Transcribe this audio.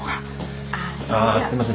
あすいません